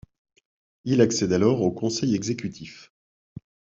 Il accède alors au conseil exécutif.